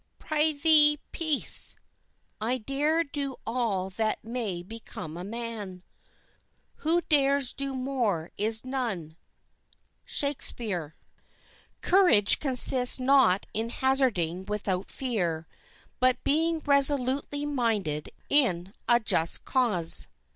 ] "Prithee, peace! I dare do all that may become a man. Who dares do more is none." —SHAKSPEARE. Courage consists not in hazarding without fear, but being resolutely minded in a just cause.